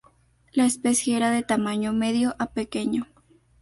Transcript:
La especie era de tamaño medio a pequeño.